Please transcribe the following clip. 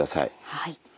はい。